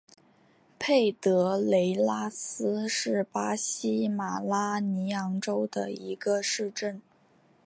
佩德雷拉斯是巴西马拉尼昂州的一个市镇。